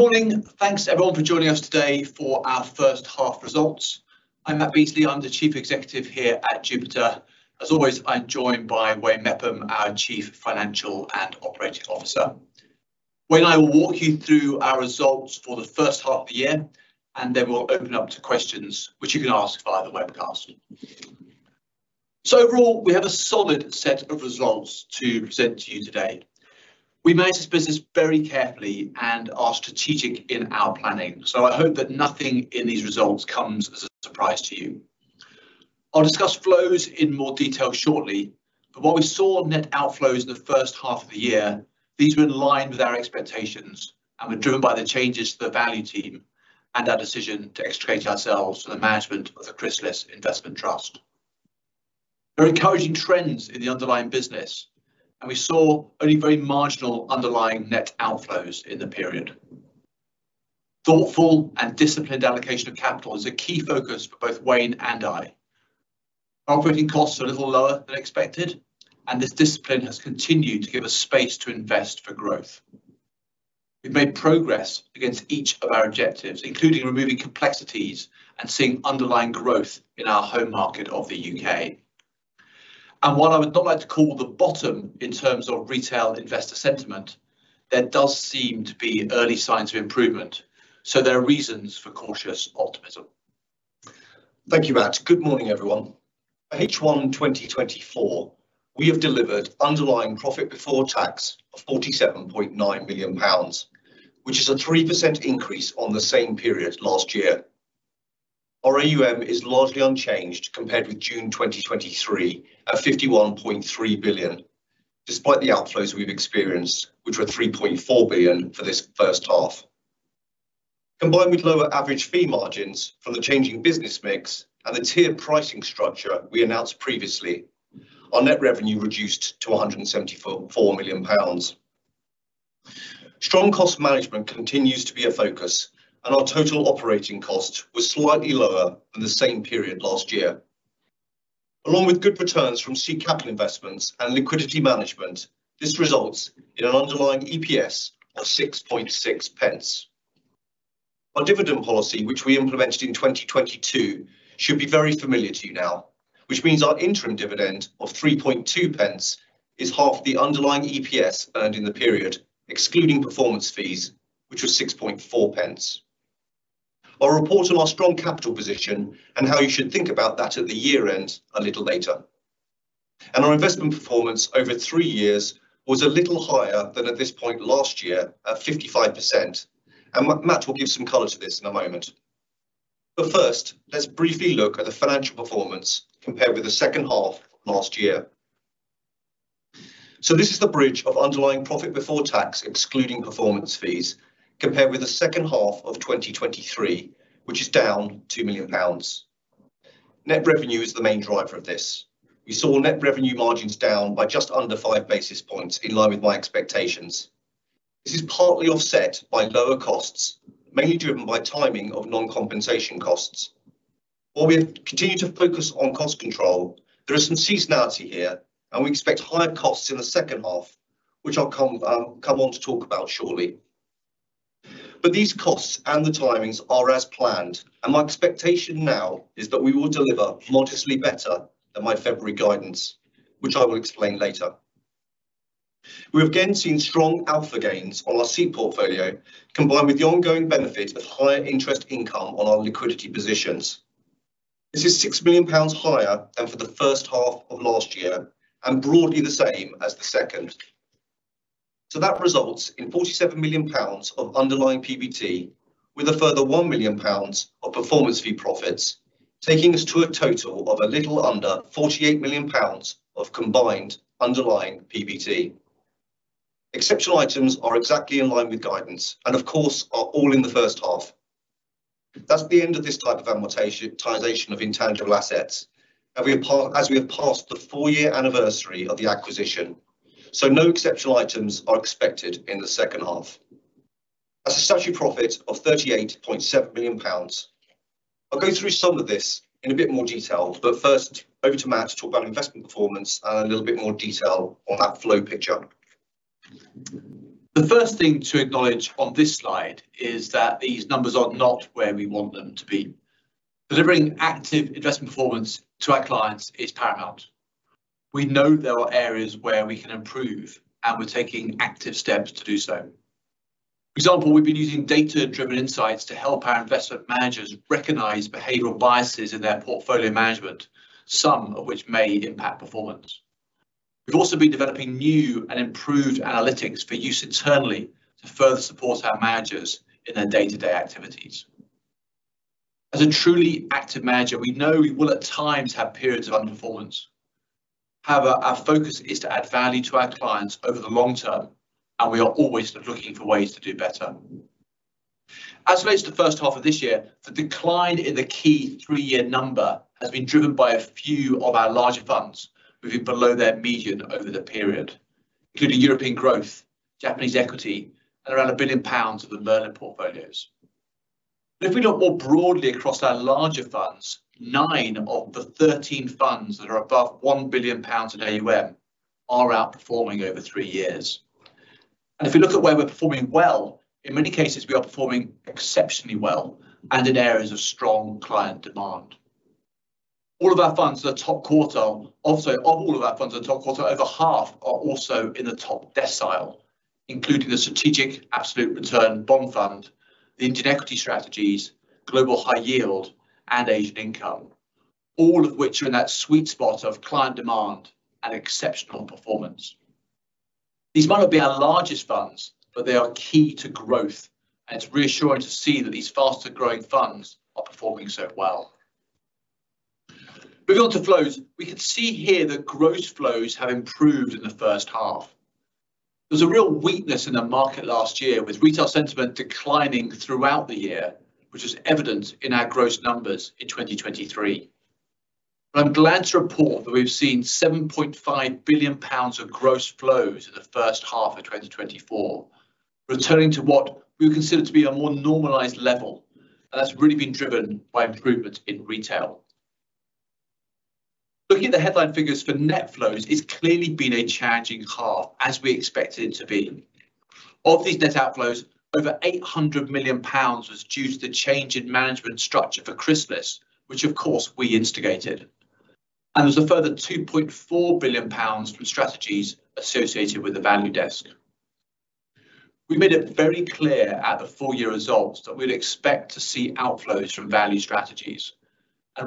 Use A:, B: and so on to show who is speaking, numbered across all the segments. A: Good morning. Thanks, everyone, for joining us today for our first half results. I'm Matthew Beesley, I'm the Chief Executive here at Jupiter. As always, I'm joined by Wayne Mepham, our Chief Financial and Operating Officer. Wayne, I will walk you through our results for the first half of the year, and then we'll open up to questions, which you can ask via the webcast. So overall, we have a solid set of results to present to you today. We manage this business very carefully and are strategic in our planning, so I hope that nothing in these results comes as a surprise to you. I'll discuss flows in more detail shortly, but while we saw net outflows in the first half of the year, these were in line with our expectations and were driven by the changes to the Value team and our decision to extricate ourselves from the management of the Chrysalis Investment Trust. There are encouraging trends in the underlying business, and we saw only very marginal underlying net outflows in the period. Thoughtful and disciplined allocation of capital is a key focus for both Wayne and I. Operating costs are a little lower than expected, and this discipline has continued to give us space to invest for growth. We've made progress against each of our objectives, including removing complexities and seeing underlying growth in our home market of the U.K. While I would not like to call the bottom in terms of retail investor sentiment, there does seem to be early signs of improvement, so there are reasons for cautious optimism.
B: Thank you, Matt. Good morning, everyone. For H1 2024, we have delivered underlying profit before tax of 47.9 million pounds, which is a 3% increase on the same period last year. Our AUM is largely unchanged compared with June 2023 at 51.3 billion, despite the outflows we've experienced, which were 3.4 billion for this first half. Combined with lower average fee margins from the changing business mix and the tiered pricing structure we announced previously, our net revenue reduced to 174 million pounds. Strong cost management continues to be a focus, and our total operating cost was slightly lower than the same period last year. Along with good returns from seed capital investments and liquidity management, this results in an underlying EPS of 0.066. Our dividend policy, which we implemented in 2022, should be very familiar to you now, which means our interim dividend of 0.032 is half the underlying EPS earned in the period, excluding performance fees, which was GBP 0.064. I'll report on our strong capital position and how you should think about that at the year-end a little later. Our investment performance over three years was a little higher than at this point last year at 55%, and Matt will give some color to this in a moment. But first, let's briefly look at the financial performance compared with the second half of last year. This is the bridge of underlying profit before tax, excluding performance fees, compared with the second half of 2023, which is down 2 million pounds. Net revenue is the main driver of this. We saw net revenue margins down by just under five basis points, in line with my expectations. This is partly offset by lower costs, mainly driven by timing of non-compensation costs. While we have continued to focus on cost control, there is some seasonality here, and we expect higher costs in the second half, which I'll come on to talk about shortly. But these costs and the timings are as planned, and my expectation now is that we will deliver modestly better than my February guidance, which I will explain later. We have again seen strong alpha gains on our seed portfolio, combined with the ongoing benefit of higher interest income on our liquidity positions. This is 6 million pounds higher than for the first half of last year and broadly the same as the second. So that results in 47 million pounds of underlying PBT, with a further 1 million pounds of performance fee profits, taking us to a total of a little under 48 million pounds of combined underlying PBT. Exceptional items are exactly in line with guidance and, of course, are all in the first half. That's the end of this type of amortization of intangible assets, as we have passed the four-year anniversary of the acquisition, so no exceptional items are expected in the second half. That's a statutory profit of 38.7 million pounds. I'll go through some of this in a bit more detail, but first, over to Matt to talk about investment performance and a little bit more detail on that flow picture.
A: The first thing to acknowledge on this slide is that these numbers are not where we want them to be. Delivering active investment performance to our clients is paramount. We know there are areas where we can improve, and we're taking active steps to do so. For example, we've been using data-driven insights to help our investment managers recognize behavioral biases in their portfolio management, some of which may impact performance. We've also been developing new and improved analytics for use internally to further support our managers in their day-to-day activities. As a truly active manager, we know we will at times have periods of underperformance. However, our focus is to add value to our clients over the long term, and we are always looking for ways to do better. As relates to the first half of this year, the decline in the key three-year number has been driven by a few of our larger funds moving below their median over the period, including European Growth, Japanese equity, and around 1 billion pounds of the Merlin Portfolios. If we look more broadly across our larger funds, nine of the 13 funds that are above 1 billion pounds in AUM are outperforming over three years. If we look at where we're performing well, in many cases, we are performing exceptionally well and in areas of strong client demand. All of our funds are top quarter. Sorry, of all of our funds are top quarter, over half are also in the top decile, including the Strategic Absolute Return Bond Fund, the Indian Equity Strategies, Global High Yield, and Asian Income, all of which are in that sweet spot of client demand and exceptional performance. These might not be our largest funds, but they are key to growth, and it's reassuring to see that these faster-growing funds are performing so well. Moving on to flows, we can see here that gross flows have improved in the first half. There was a real weakness in the market last year, with retail sentiment declining throughout the year, which was evident in our gross numbers in 2023. I'm glad to report that we've seen 7.5 billion pounds of gross flows in the first half of 2024, returning to what we would consider to be a more normalized level, and that's really been driven by improvements in retail. Looking at the headline figures for net flows, it's clearly been a changing half, as we expected it to be. Of these net outflows, over 800 million pounds was due to the change in management structure for Chrysalis, which, of course, we instigated. There's a further 2.4 billion pounds from strategies associated with the Value desk. We made it very clear at the four-year results that we would expect to see outflows from Value strategies.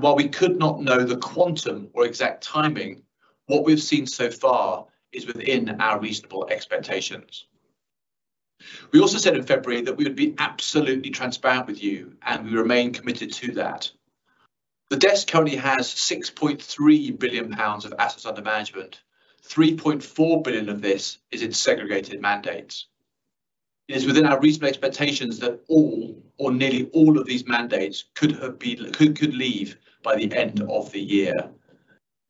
A: While we could not know the quantum or exact timing, what we've seen so far is within our reasonable expectations. We also said in February that we would be absolutely transparent with you, and we remain committed to that. The desk currently has 6.3 billion pounds of assets under management. 3.4 billion of this is in segregated mandates. It is within our reasonable expectations that all, or nearly all, of these mandates could leave by the end of the year.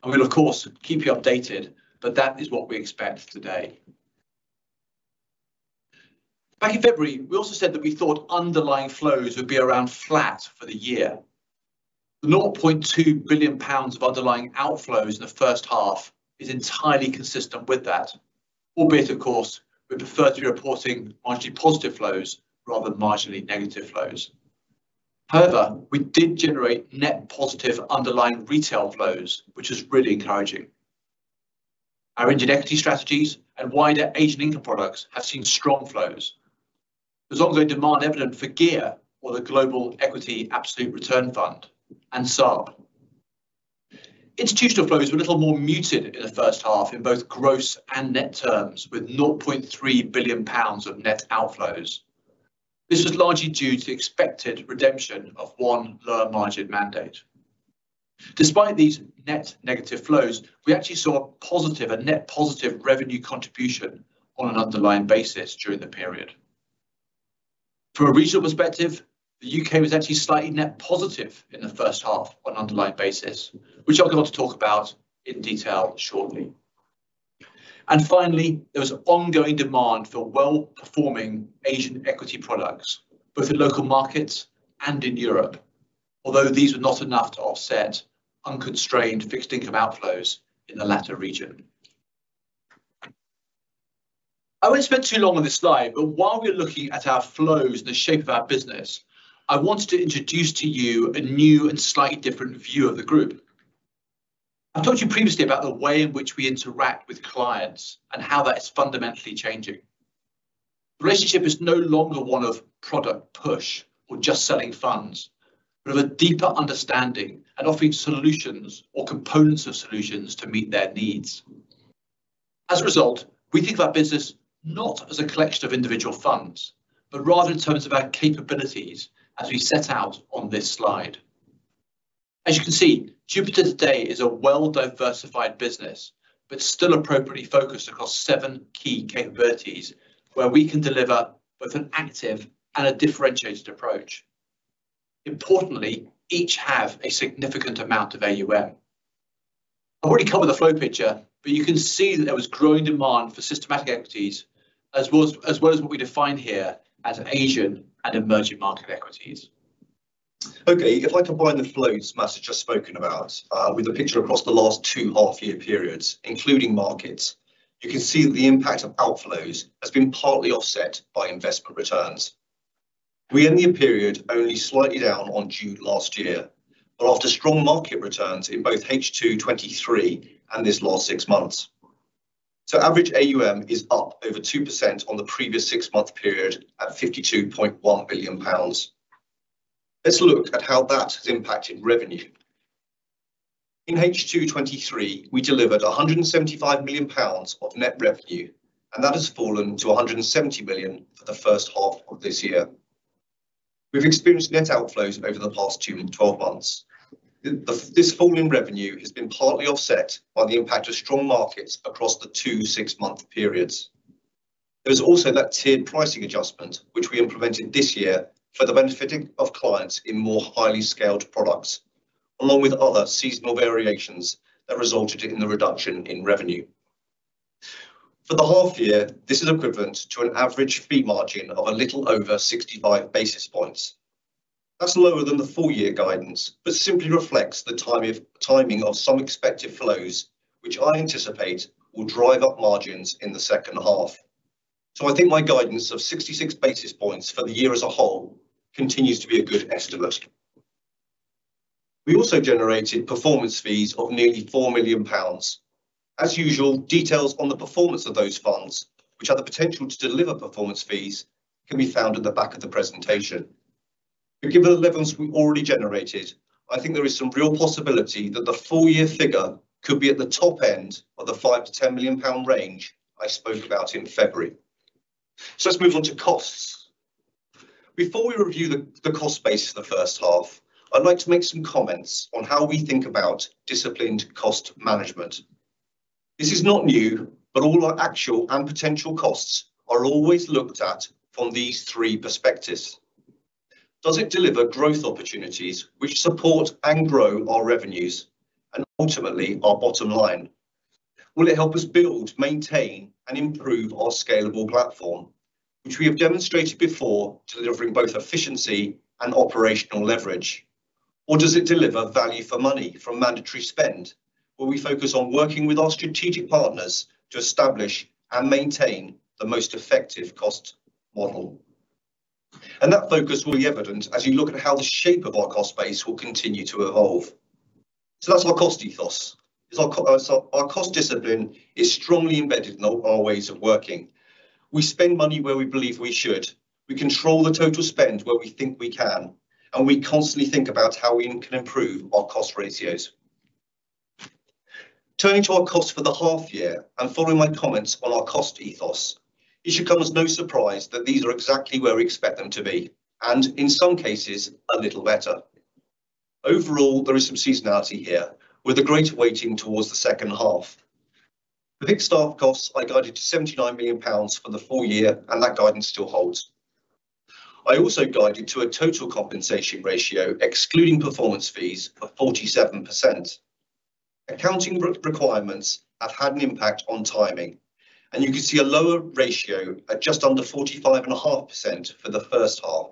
A: And we'll, of course, keep you updated, but that is what we expect today. Back in February, we also said that we thought underlying flows would be around flat for the year. The 0.2 billion pounds of underlying outflows in the first half is entirely consistent with that, albeit, of course, we prefer to be reporting marginally positive flows rather than marginally negative flows. However, we did generate net positive underlying retail flows, which is really encouraging. Our Indian Equity Strategies and wider Asian Income Products have seen strong flows, as long as there's demand evident for GEAR, or the Global Equity Absolute Return Fund, and SARB. Institutional flows were a little more muted in the first half in both gross and net terms, with 0.3 billion pounds of net outflows. This was largely due to the expected redemption of one lower-margin mandate. Despite these net negative flows, we actually saw a positive, a net positive revenue contribution on an underlying basis during the period. From a regional perspective, the UK was actually slightly net positive in the first half on an underlying basis, which I'll go on to talk about in detail shortly. And finally, there was ongoing demand for well-performing Asian equity products, both in local markets and in Europe, although these were not enough to offset unconstrained fixed income outflows in the latter region. I won't spend too long on this slide, but while we're looking at our flows and the shape of our business, I wanted to introduce to you a new and slightly different view of the group. I've talked to you previously about the way in which we interact with clients and how that is fundamentally changing. The relationship is no longer one of product push or just selling funds, but of a deeper understanding and offering solutions or components of solutions to meet their needs. As a result, we think of our business not as a collection of individual funds, but rather in terms of our capabilities, as we set out on this slide. As you can see, Jupiter today is a well-diversified business, but still appropriately focused across seven key capabilities where we can deliver both an active and a differentiated approach. Importantly, each have a significant amount of AUM. I've already covered the flow picture, but you can see that there was growing demand for systematic equities, as well as what we define here as Asian and emerging market equities.
B: Okay, if I combine the flows Matt has just spoken about with the picture across the last two half-year periods, including markets, you can see that the impact of outflows has been partly offset by investment returns. We end the period only slightly down on June last year, but after strong market returns in both H2 2023 and this last six months. So average AUM is up over 2% on the previous six-month period at 52.1 billion pounds. Let's look at how that has impacted revenue. In H2 2023, we delivered 175 million pounds of net revenue, and that has fallen to 170 million for the first half of this year. We've experienced net outflows over the past two and 12 months. This fall in revenue has been partly offset by the impact of strong markets across the two six-month periods. There was also that tiered pricing adjustment, which we implemented this year for the benefit of clients in more highly scaled products, along with other seasonal variations that resulted in the reduction in revenue. For the half year, this is equivalent to an average fee margin of a little over 65 basis points. That's lower than the four-year guidance, but simply reflects the timing of some expected flows, which I anticipate will drive up margins in the second half. So I think my guidance of 66 basis points for the year as a whole continues to be a good estimate. We also generated performance fees of nearly 4 million pounds. As usual, details on the performance of those funds, which have the potential to deliver performance fees, can be found at the back of the presentation. Given the levels we already generated, I think there is some real possibility that the four-year figure could be at the top end of the 5 million-10 million pound range I spoke about in February. So let's move on to costs. Before we review the cost base for the first half, I'd like to make some comments on how we think about disciplined cost management. This is not new, but all our actual and potential costs are always looked at from these three perspectives. Does it deliver growth opportunities which support and grow our revenues and ultimately our bottom line? Will it help us build, maintain, and improve our scalable platform, which we have demonstrated before delivering both efficiency and operational leverage? Or does it deliver value for money from mandatory spend, where we focus on working with our strategic partners to establish and maintain the most effective cost model? That focus will be evident as you look at how the shape of our cost base will continue to evolve. That's our cost ethos. Our cost discipline is strongly embedded in our ways of working. We spend money where we believe we should. We control the total spend where we think we can, and we constantly think about how we can improve our cost ratios. Turning to our costs for the half year and following my comments on our cost ethos, it should come as no surprise that these are exactly where we expect them to be, and in some cases, a little better. Overall, there is some seasonality here, with a greater weighting towards the second half. The big staff costs I guided to 79 million pounds for the full year, and that guidance still holds. I also guided to a total compensation ratio, excluding performance fees, of 47%. Accounting requirements have had an impact on timing, and you can see a lower ratio at just under 45.5% for the first half.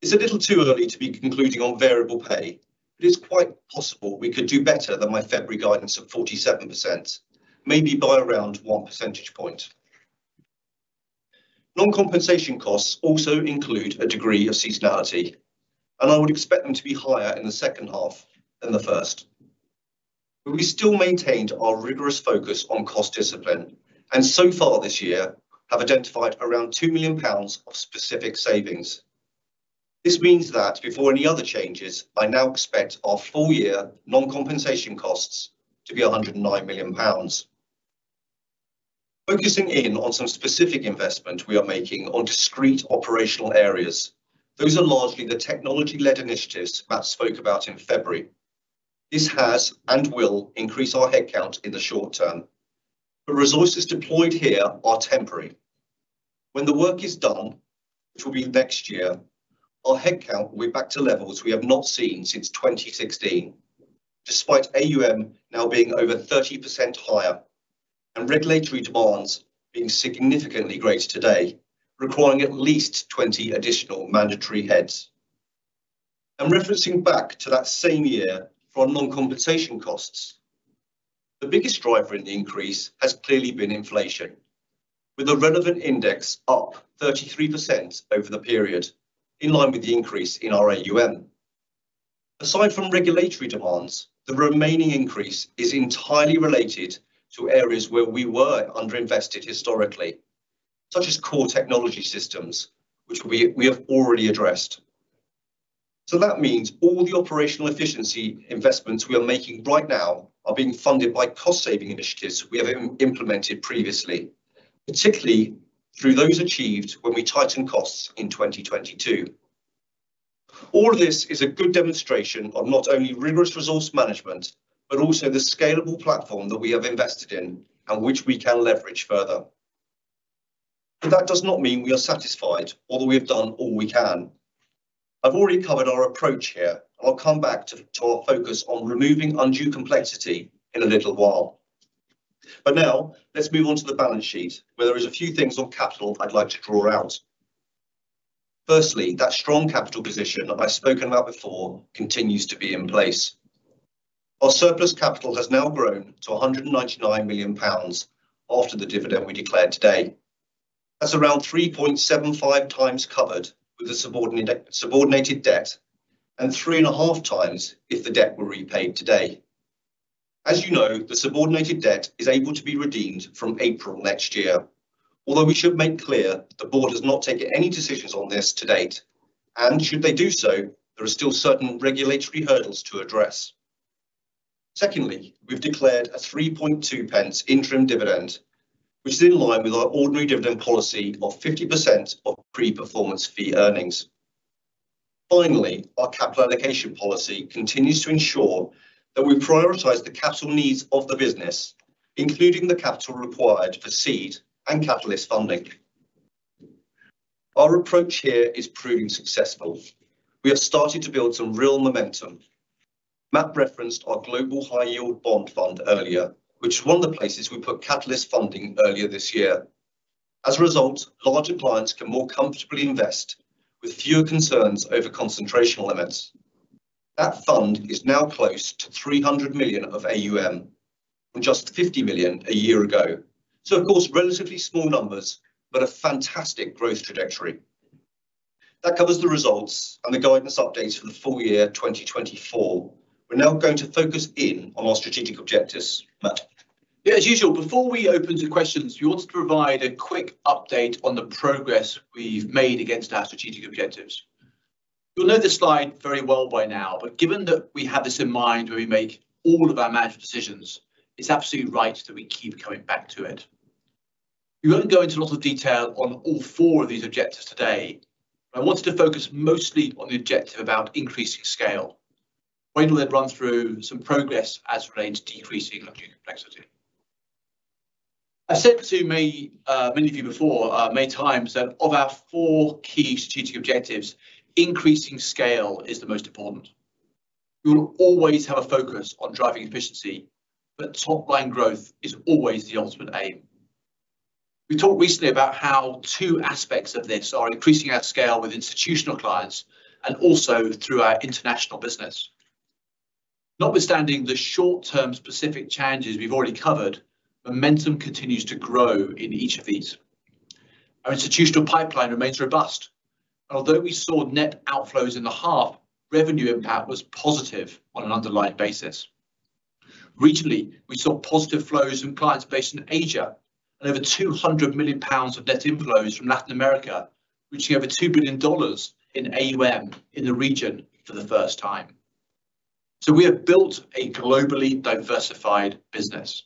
B: It's a little too early to be concluding on variable pay, but it's quite possible we could do better than my February guidance of 47%, maybe by around one percentage point. Non-compensation costs also include a degree of seasonality, and I would expect them to be higher in the second half than the first. We still maintained our rigorous focus on cost discipline and, so far this year, have identified around 2 million pounds of specific savings. This means that, before any other changes, I now expect our full-year non-compensation costs to be 109 million pounds. Focusing in on some specific investment, we are making on discrete operational areas. Those are largely the technology-led initiatives Matt spoke about in February. This has and will increase our headcount in the short term, but resources deployed here are temporary. When the work is done, which will be next year, our headcount will be back to levels we have not seen since 2016, despite AUM now being over 30% higher and regulatory demands being significantly greater today, requiring at least 20 additional mandatory heads. Referencing back to that same year for our non-compensation costs, the biggest driver in the increase has clearly been inflation, with the relevant index up 33% over the period, in line with the increase in our AUM. Aside from regulatory demands, the remaining increase is entirely related to areas where we were underinvested historically, such as core technology systems, which we have already addressed. That means all the operational efficiency investments we are making right now are being funded by cost-saving initiatives we have implemented previously, particularly through those achieved when we tightened costs in 2022. All of this is a good demonstration of not only rigorous resource management, but also the scalable platform that we have invested in and which we can leverage further. That does not mean we are satisfied, although we have done all we can. I've already covered our approach here, and I'll come back to our focus on removing undue complexity in a little while. But now, let's move on to the balance sheet, where there are a few things on capital I'd like to draw out. Firstly, that strong capital position I've spoken about before continues to be in place. Our surplus capital has now grown to 199 million pounds after the dividend we declared today. That's around 3.75 times covered with the subordinated debt and 3.5 times if the debt were repaid today. As you know, the subordinated debt is able to be redeemed from April next year, although we should make clear that the board has not taken any decisions on this to date, and should they do so, there are still certain regulatory hurdles to address. Secondly, we've declared a 0.032 interim dividend, which is in line with our ordinary dividend policy of 50% of pre-performance fee earnings. Finally, our capital allocation policy continues to ensure that we prioritize the capital needs of the business, including the capital required for seed and catalyst funding. Our approach here is proving successful. We have started to build some real momentum. Matt referenced ourGlobal High Yield Bond Fund earlier, which is one of the places we put catalyst funding earlier this year. As a result, larger clients can more comfortably invest with fewer concerns over concentration limits. That fund is now close to 300 million of AUM, from just 50 million a year ago. So, of course, relatively small numbers, but a fantastic growth trajectory. That covers the results and the guidance updates for the full year 2024. We're now going to focus in on our strategic objectives. Matt.
A: As usual, before we open to questions, we want to provide a quick update on the progress we've made against our strategic objectives. You'll know this slide very well by now, but given that we have this in mind when we make all of our management decisions, it's absolutely right that we keep coming back to it. We won't go into a lot of detail on all four of these objectives today, but I wanted to focus mostly on the objective about increasing scale, waiting to run through some progress as related to decreasing complexity. I've said to many of you before, many times, that of our four key strategic objectives, increasing scale is the most important. We will always have a focus on driving efficiency, but top-line growth is always the ultimate aim. We talked recently about how two aspects of this are increasing our scale with institutional clients and also through our international business. Notwithstanding the short-term specific challenges we've already covered, momentum continues to grow in each of these. Our institutional pipeline remains robust, and although we saw net outflows in the half, revenue impact was positive on an underlying basis. Regionally, we saw positive flows from clients based in Asia and over 200 million pounds of net inflows from Latin America, reaching over $2 billion in AUM in the region for the first time. We have built a globally diversified business.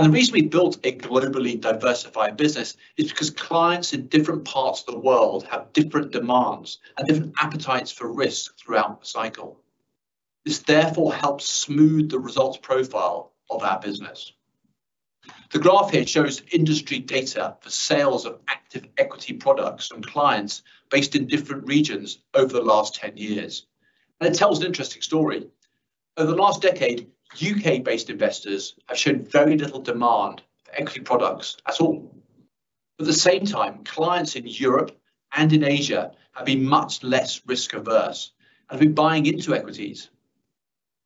A: The reason we built a globally diversified business is because clients in different parts of the world have different demands and different appetites for risk throughout the cycle. This therefore helps smooth the results profile of our business. The graph here shows industry data for sales of active equity products from clients based in different regions over the last 10 years. It tells an interesting story. Over the last decade, U.K.-based investors have shown very little demand for equity products at all. At the same time, clients in Europe and in Asia have been much less risk-averse and have been buying into equities.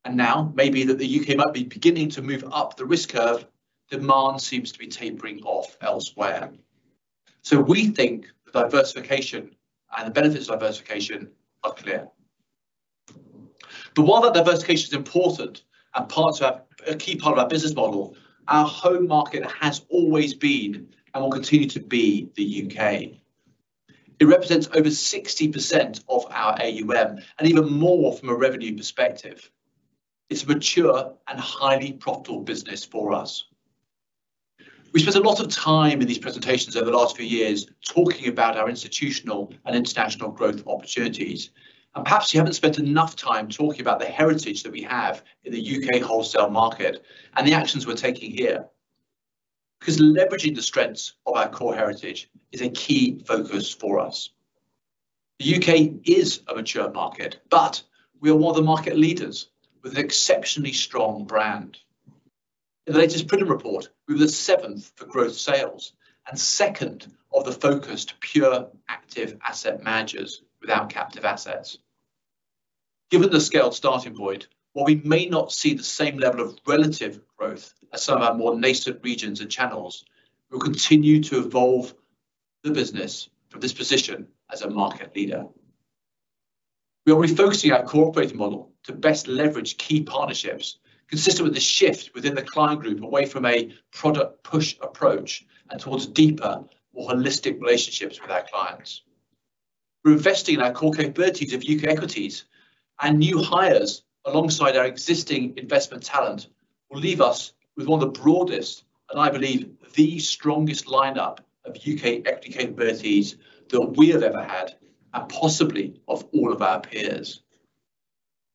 A: And now, maybe that the U.K. might be beginning to move up the risk curve, demand seems to be tapering off elsewhere. We think the diversification and the benefits of diversification are clear. But while that diversification is important and part of a key part of our business model, our home market has always been and will continue to be the U.K. It represents over 60% of our AUM and even more from a revenue perspective. It's a mature and highly profitable business for us. We spent a lot of time in these presentations over the last few years talking about our institutional and international growth opportunities. Perhaps we haven't spent enough time talking about the heritage that we have in the UK wholesale market and the actions we're taking here. Because leveraging the strengths of our core heritage is a key focus for us. The UK is a mature market, but we are one of the market leaders with an exceptionally strong brand. In the latest Pridham Report, we were the seventh for gross sales and second of the focused pure active asset managers without captive assets. Given the scaled starting point, while we may not see the same level of relative growth as some of our more native regions and channels, we will continue to evolve the business from this position as a market leader. We are refocusing our cooperative model to best leverage key partnerships consistent with the shift within the client group away from a product push approach and towards deeper, more holistic relationships with our clients. We're investing in our core capabilities of UK equities, and new hires alongside our existing investment talent will leave us with one of the broadest and, I believe, the strongest lineup of UK equity capabilities that we have ever had and possibly of all of our peers.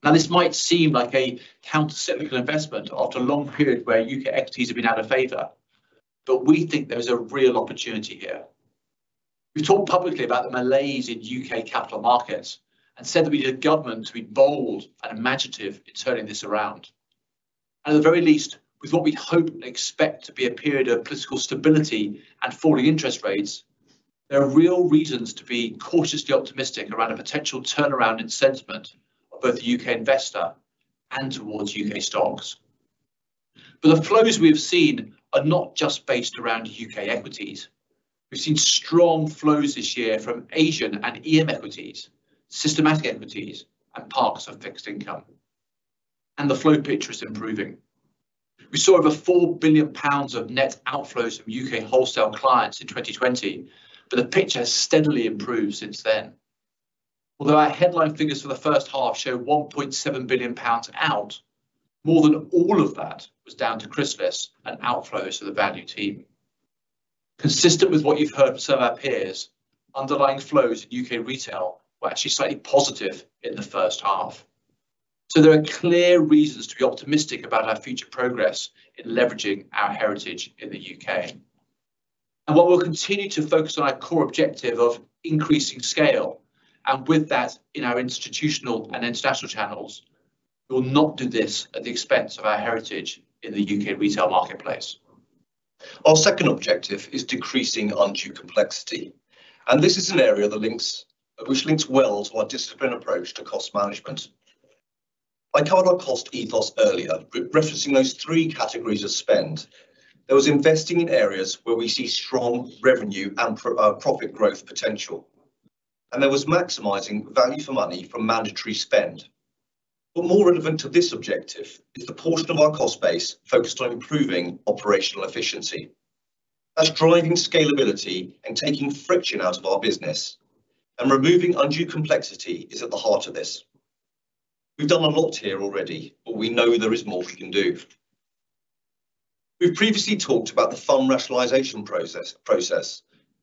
A: Now, this might seem like a countercyclical investment after a long period where UK equities have been out of favor, but we think there is a real opportunity here. We've talked publicly about the malaise in UK capital markets and said that we need a government to be bold and imaginative in turning this around. And at the very least, with what we hope and expect to be a period of political stability and falling interest rates, there are real reasons to be cautiously optimistic around a potential turnaround in sentiment of both the UK investor and towards UK stocks. But the flows we have seen are not just based around UK equities. We've seen strong flows this year from Asian and EM equities, systematic equities, and parts of fixed income. And the flow picture is improving. We saw over 4 billion pounds of net outflows from UK wholesale clients in 2020, but the picture has steadily improved since then. Although our headline figures for the first half show 1.7 billion pounds out, more than all of that was down to Christmas and outflows to the value team. Consistent with what you've heard from some of our peers, underlying flows in UK retail were actually slightly positive in the first half. There are clear reasons to be optimistic about our future progress in leveraging our heritage in the UK. While we'll continue to focus on our core objective of increasing scale, and with that, in our institutional and international channels, we will not do this at the expense of our heritage in the UK retail marketplace.
B: Our second objective is decreasing undue complexity. This is an area that links well to our disciplined approach to cost management. I covered our cost ethos earlier, referencing those three categories of spend. There was investing in areas where we see strong revenue and profit growth potential. And there was maximizing value for money from mandatory spend. But more relevant to this objective is the portion of our cost base focused on improving operational efficiency. That's driving scalability and taking friction out of our business. And removing undue complexity is at the heart of this. We've done a lot here already, but we know there is more we can do. We've previously talked about the fund rationalization process,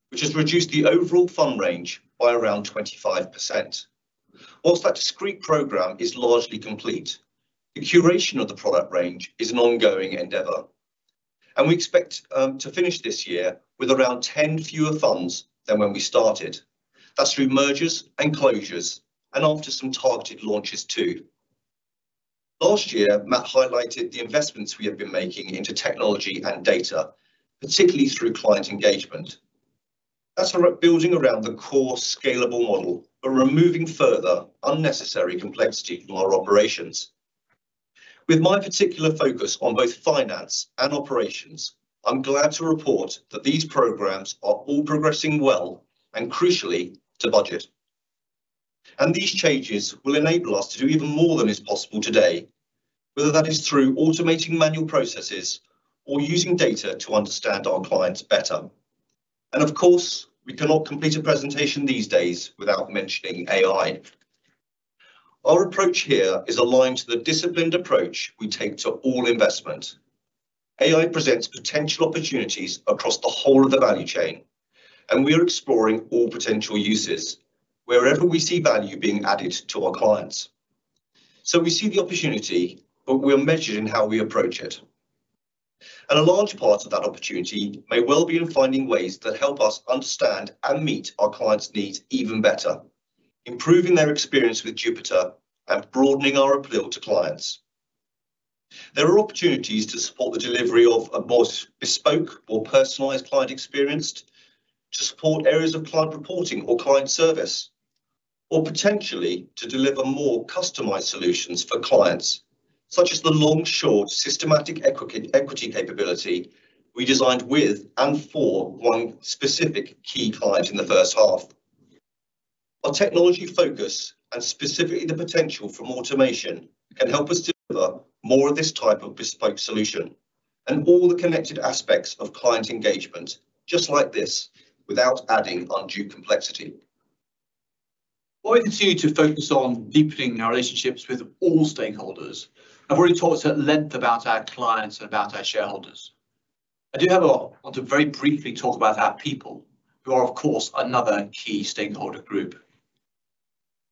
B: which has reduced the overall fund range by around 25%. While that discrete program is largely complete, the curation of the product range is an ongoing endeavor. And we expect to finish this year with around 10 fewer funds than when we started. That's through mergers and closures and after some targeted launches too. Last year, Matt highlighted the investments we have been making into technology and data, particularly through client engagement. That's for building around the core scalable model, but removing further unnecessary complexity from our operations. With my particular focus on both finance and operations, I'm glad to report that these programs are all progressing well and, crucially, to budget. These changes will enable us to do even more than is possible today, whether that is through automating manual processes or using data to understand our clients better. Of course, we cannot complete a presentation these days without mentioning AI. Our approach here is aligned to the disciplined approach we take to all investment. AI presents potential opportunities across the whole of the value chain, and we are exploring all potential uses wherever we see value being added to our clients. So we see the opportunity, but we are measured in how we approach it. A large part of that opportunity may well be in finding ways that help us understand and meet our clients' needs even better, improving their experience with Jupiter and broadening our appeal to clients. There are opportunities to support the delivery of a more bespoke or personalized client experience, to support areas of client reporting or client service, or potentially to deliver more customized solutions for clients, such as the long-short systematic equity capability we designed with and for one specific key client in the first half. Our technology focus and specifically the potential from automation can help us deliver more of this type of bespoke solution and all the connected aspects of client engagement, just like this, without adding undue complexity.
A: While we continue to focus on deepening our relationships with all stakeholders, I've already talked at length about our clients and about our shareholders. I do have a lot I want to very briefly talk about our people, who are, of course, another key stakeholder group.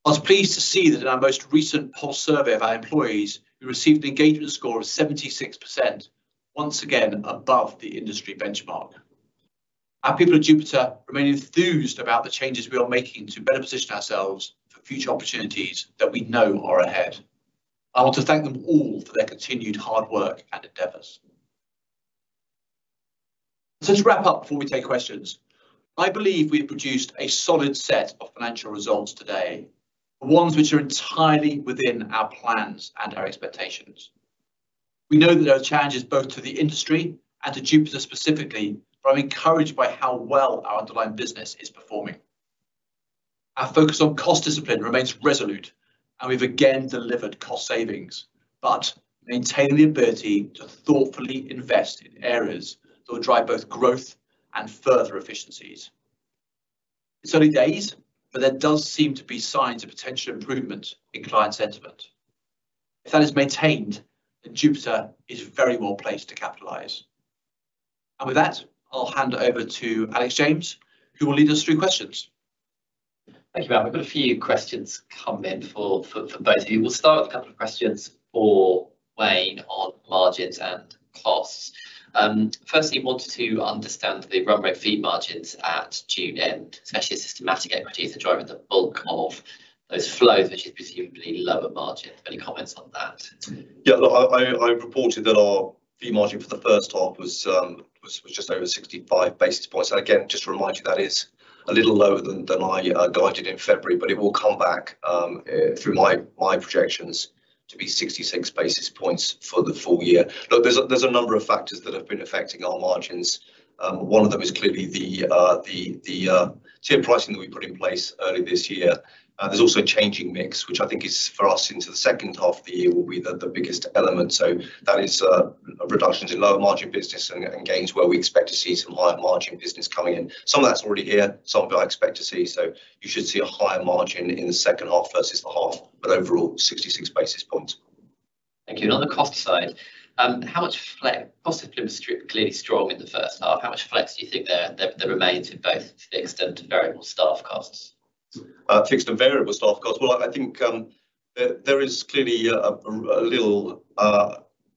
A: I was pleased to see that in our most recent pulse survey of our employees, we received an engagement score of 76%, once again above the industry benchmark. Our people at Jupiter remain enthused about the changes we are making to better position ourselves for future opportunities that we know are ahead. I want to thank them all for their continued hard work and endeavors. To wrap up before we take questions, I believe we have produced a solid set of financial results today, the ones which are entirely within our plans and our expectations. We know that there are challenges both to the industry and to Jupiter specifically, but I'm encouraged by how well our underlying business is performing. Our focus on cost discipline remains resolute, and we've again delivered cost savings, but maintaining the ability to thoughtfully invest in areas that will drive both growth and further efficiencies. It's early days, but there does seem to be signs of potential improvement in client sentiment. If that is maintained, then Jupiter is very well placed to capitalize. And with that, I'll hand it over to Alex James, who will lead us through questions.
C: Thank you, Matt. We've got a few questions come in for both of you. We'll start with a couple of questions for Wayne on margins and costs. Firstly, he wanted to understand the run-rate fee margins at June end, especially as systematic equities are driving the bulk of those flows, which is presumably lower margins. Any comments on that?
B: Yeah, look, I reported that our fee margin for the first half was just over 65 basis points. And again, just to remind you, that is a little lower than I guided in February, but it will come back through my projections to be 66 basis points for the full year. Look, there's a number of factors that have been affecting our margins. One of them is clearly the tiered pricing that we put in place earlier this year. There's also a changing mix, which I think is for us into the second half of the year will be the biggest element. So that is reductions in lower margin business and gains where we expect to see some higher margin business coming in. Some of that's already here. Some of it I expect to see. So you should see a higher margin in the second half versus the half, but overall, 66 basis points.
C: Thank you. On the cost side, how much flex cost has been clearly strong in the first half? How much flex do you think there remains in both fixed and variable staff costs?
B: Fixed and variable staff costs. Well, I think there is clearly a little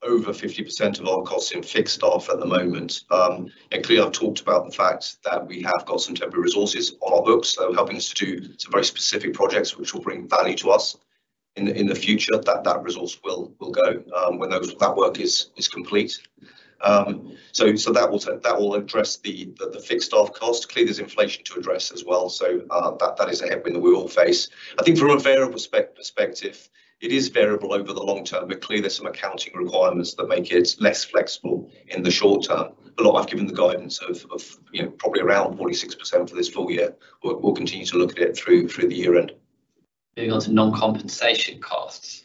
B: over 50% of our costs in fixed staff at the moment. And clearly, I've talked about the fact that we have got some temporary resources on our books. So helping us to do some very specific projects which will bring value to us in the future, that resource will go when that work is complete. So that will address the fixed staff cost. Clearly, there's inflation to address as well. So that is a headwind that we will face. I think from a variable perspective, it is variable over the long term, but clearly, there's some accounting requirements that make it less flexible in the short term. But look, I've given the guidance of probably around 46% for this full year. We'll continue to look at it through the year end.
C: Moving on to non-compensation costs.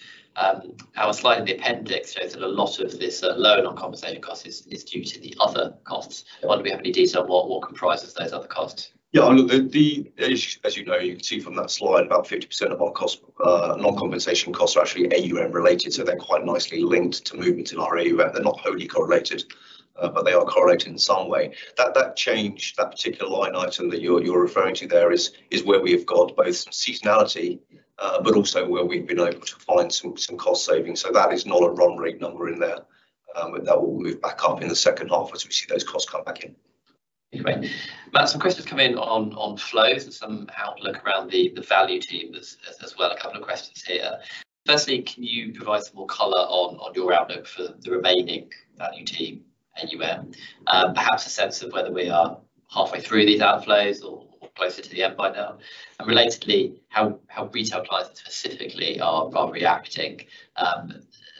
C: Our slide in the appendix shows that a lot of this low non-compensation cost is due to the other costs. Do we have any detail on what comprises those other costs?
B: Yeah, look, as you know, you can see from that slide, about 50% of our non-compensation costs are actually AUM related. So they're quite nicely linked to movements in our AUM. They're not wholly correlated, but they are correlating in some way. That change, that particular line item that you're referring to there is where we have got both seasonality, but also where we've been able to find some cost savings. So that is not a run rate number in there. That will move back up in the second half as we see those costs come back in.
C: Okay. Matt, some questions come in on flows and some outlook around the value team as well. A couple of questions here. Firstly, can you provide some more color on your outlook for the remaining value team, AUM? Perhaps a sense of whether we are halfway through these outflows or closer to the end by now? And relatedly, how retail clients specifically are reacting,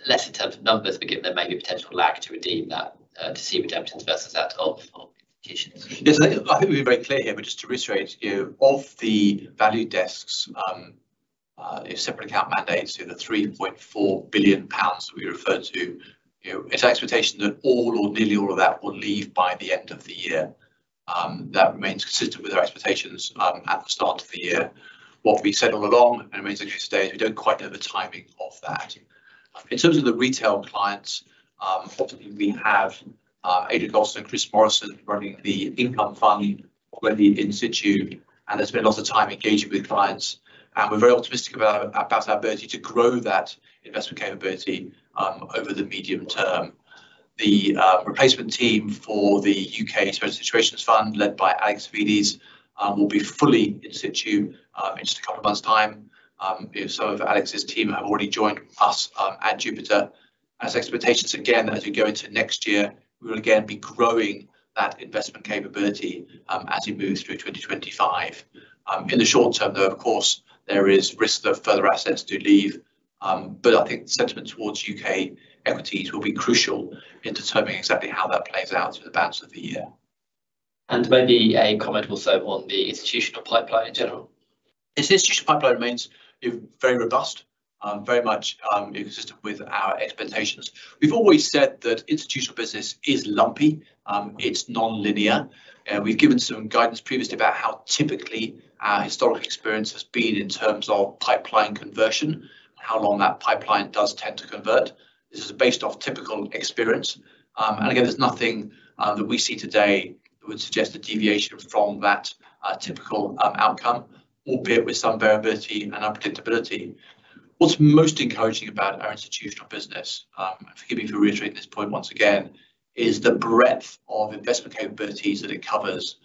C: less in terms of numbers, but given there may be a potential lag to redeem that to see redemptions versus that of institutions.
A: Yes, I think we'll be very clear here, but just to reiterate, of the value desks, separate account mandates, so the 3.4 billion pounds that we referred to, it's our expectation that all or nearly all of that will leave by the end of the year. That remains consistent with our expectations at the start of the year. What we said all along and remains the case today is we don't quite know the timing of that. In terms of the retail clients, obviously, we have Adrian Gosden and Chris Morrison running the income fund already in situ, and there's been lots of time engaging with clients. We're very optimistic about our ability to grow that investment capability over the medium term. The replacement team for the UK Special Situations Fund led by Alex Savvides will be fully in situ in just a couple of months' time. Some of Alex's team have already joined us at Jupiter. Our expectations, again, as we go into next year, we will again be growing that investment capability as we move through 2025. In the short term, though, of course, there is risk of further assets to leave, but I think sentiment towards UK equities will be crucial in determining exactly how that plays out through the balance of the year.
C: Maybe a comment also on the institutional pipeline in general.
A: The institutional pipeline remains very robust, very much consistent with our expectations. We've always said that institutional business is lumpy. It's non-linear. We've given some guidance previously about how typically our historical experience has been in terms of pipeline conversion, how long that pipeline does tend to convert. This is based off typical experience. Again, there's nothing that we see today that would suggest a deviation from that typical outcome, albeit with some variability and unpredictability. What's most encouraging about our institutional business, forgive me for reiterating this point once again, is the breadth of investment capabilities that it covers,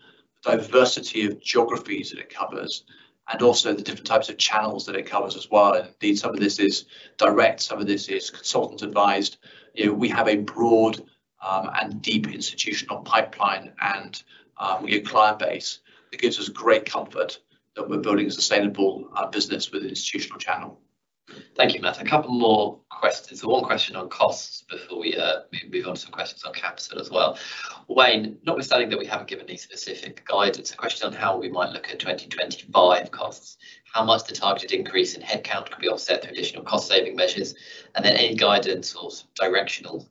A: the diversity of geographies that it covers, and also the different types of channels that it covers as well. Indeed, some of this is direct, some of this is consultant-advised. We have a broad and deep institutional pipeline, and we have a client base that gives us great comfort that we're building a sustainable business with an institutional channel.
C: Thank you, Matt. A couple more questions. One question on costs before we move on to some questions on Capital as well. Wayne, notwithstanding that we haven't given any specific guidance, a question on how we might look at 2025 costs. How much the targeted increase in headcount could be offset through additional cost-saving measures? And then any guidance or directional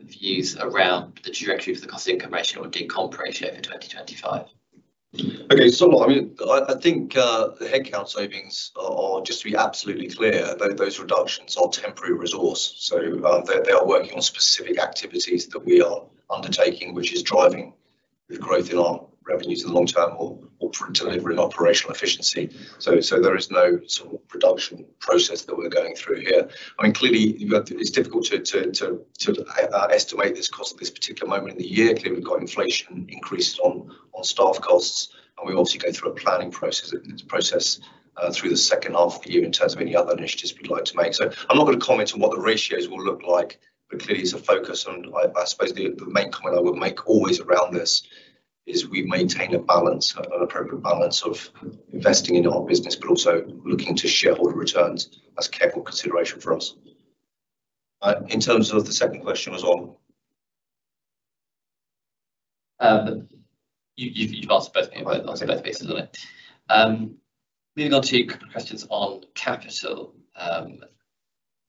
C: views around the trajectory for the cost-income ratio and income ratio for 2025?
B: Okay. So look, I mean, I think the headcount savings, just to be absolutely clear, those reductions are temporary resource. So they are working on specific activities that we are undertaking, which is driving the growth in our revenues in the long term or delivering operational efficiency. So there is no sort of production process that we're going through here. I mean, clearly, it's difficult to estimate this cost at this particular moment in the year. Clearly, we've got inflation increased on staff costs, and we obviously go through a planning process through the second half of the year in terms of any other initiatives we'd like to make. So I'm not going to comment on what the ratios will look like, but clearly, it's a focus on, I suppose, the main comment I will make always around this is we maintain a balance, an appropriate balance of investing in our business, but also looking to shareholder returns as a careful consideration for us. In terms of the second question as well.
C: You've answered both of your bases, haven't you? Moving on to questions on capital.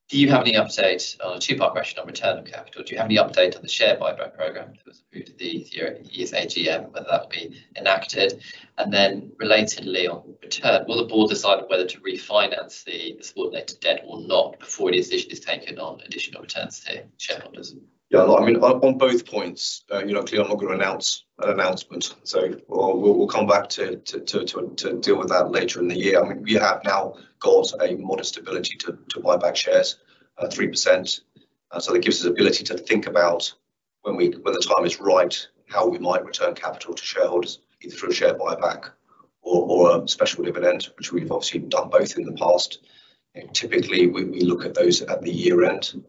C: Do you have any updates on a two-part question on return of capital? Do you have any update on the share buyback program that was approved at the year's AGM, whether that will be enacted? And then relatedly on return, will the board decide whether to refinance the subordinated debt or not before any decision is taken on additional returns to shareholders?
B: Yeah, look, I mean, on both points, clearly, I'm not going to announce an announcement. So we'll come back to deal with that later in the year. I mean, we have now got a modest ability to buy back shares, 3%. So that gives us the ability to think about when the time is right, how we might return capital to shareholders, either through a share buyback or a special dividend, which we've obviously done both in the past. Typically, we look at those at the year end.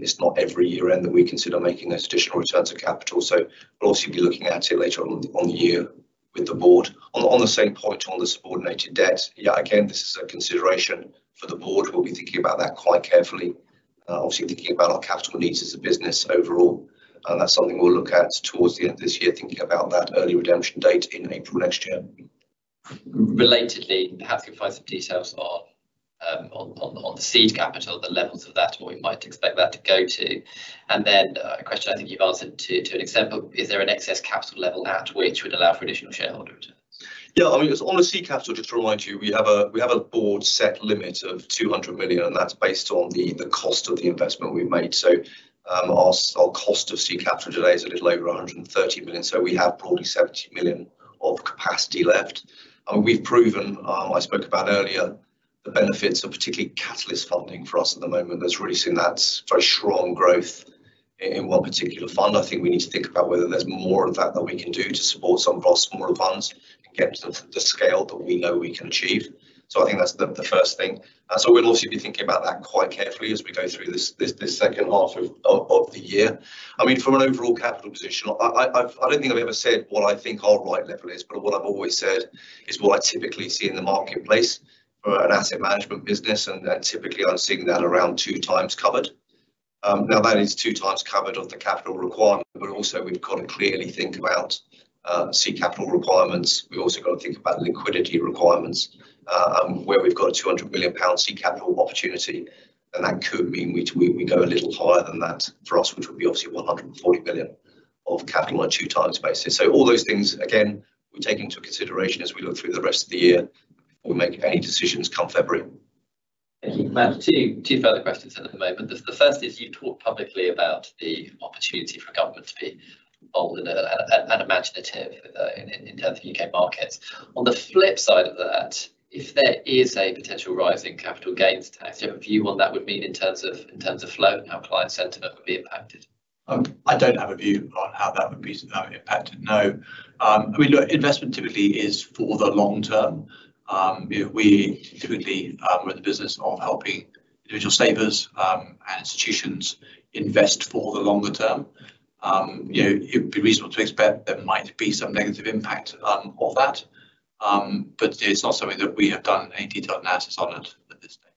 B: It's not every year end that we consider making those additional returns to capital. So we'll obviously be looking at it later on in the year with the board. On the same point on the subordinated debt, yeah, again, this is a consideration for the board. We'll be thinking about that quite carefully, obviously thinking about our capital needs as a business overall. That's something we'll look at towards the end of this year, thinking about that early redemption date in April next year.
C: Relatedly, perhaps you can find some details on the seed capital, the levels of that, what we might expect that to go to. And then a question I think you've answered to an extent, but is there an excess capital level out which would allow for additional shareholder returns?
B: Yeah, I mean, on the seed capital, just to remind you, we have a board set limit of 200 million, and that's based on the cost of the investment we've made. So our cost of seed capital today is a little over 130 million. So we have probably 70 million of capacity left. I mean, we've proven, I spoke about earlier, the benefits of particularly catalyst funding for us at the moment. There's really seen that very strong growth in one particular fund. I think we need to think about whether there's more of that that we can do to support some of our smaller funds and get to the scale that we know we can achieve. So I think that's the first thing. So we'll obviously be thinking about that quite carefully as we go through this second half of the year. I mean, from an overall capital position, I don't think I've ever said what I think our right level is, but what I've always said is what I typically see in the marketplace for an asset management business. And typically, I'm seeing that around two times covered. Now, that is two times covered of the capital requirement, but also we've got to clearly think about seed capital requirements. We've also got to think about liquidity requirements. Where we've got a 200 million pound seed capital opportunity, then that could mean we go a little higher than that for us, which would be obviously 140 million of capital on a two-times basis. So all those things, again, we're taking into consideration as we look through the rest of the year before we make any decisions come February.
C: Thank you. Matt, two further questions at the moment. The first is you've talked publicly about the opportunity for government to be involved and imaginative in terms of UK markets. On the flip side of that, if there is a potential rise in capital gains tax, do you have a view on that would mean in terms of flow and how client sentiment would be impacted?
A: I don't have a view on how that would be impacted. No. I mean, look, investment typically is for the long term. We typically run the business of helping individual savers and institutions invest for the longer term. It would be reasonable to expect there might be some negative impact of that, but it's not something that we have done any detailed analysis on at this stage.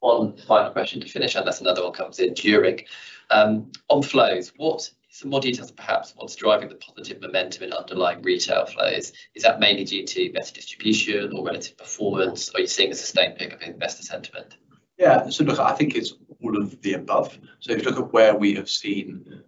C: One final question to finish, and that's another one comes in during on flows. What are some more details that perhaps what's driving the positive momentum in underlying retail flows? Is that mainly due to better distribution or relative performance? Are you seeing a sustained pickup in investor sentiment?
A: Yeah. So look, I think it's all of the above. So if you look at where we have seen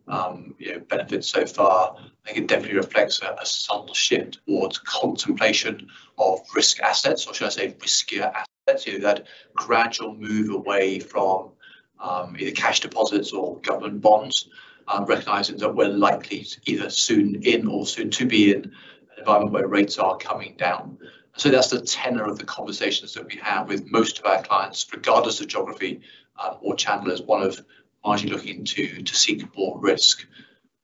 A: benefits so far, I think it definitely reflects a subtle shift towards contemplation of risk assets, or should I say riskier assets, that gradual move away from either cash deposits or government bonds, recognizing that we're likely to either soon in or soon to be in an environment where rates are coming down. So that's the tenor of the conversations that we have with most of our clients, regardless of geography or channel, as one of largely looking to seek more risk.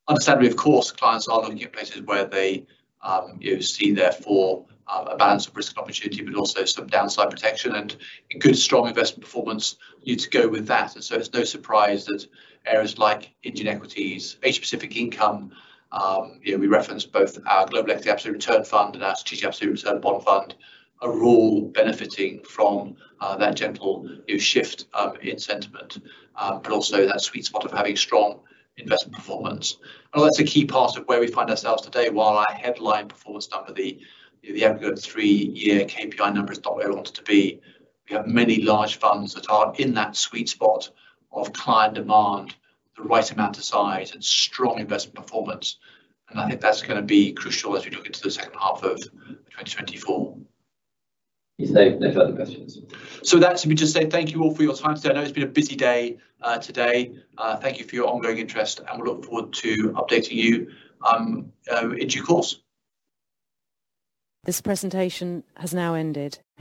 A: Understandably, of course, clients are looking at places where they see therefore a balance of risk and opportunity, but also some downside protection. And good, strong investment performance needs to go with that. And so it's no surprise that areas like Indian equities, Asia-Pacific income, we referenced both our Global Equity Absolute Return Fund and our Strategic Absolute Return Bond Fund are all benefiting from that gentle shift in sentiment, but also that sweet spot of having strong investment performance. And that's a key part of where we find ourselves today. While our headline performance number, the aggregate three-year KPI number, is not where we want it to be, we have many large funds that are in that sweet spot of client demand, the right amount of size, and strong investment performance. And I think that's going to be crucial as we look into the second half of 2024.
C: You say no further questions.
A: So that's me just saying thank you all for your time today. I know it's been a busy day today. Thank you for your ongoing interest, and we'll look forward to updating you in due course.
D: This presentation has now ended.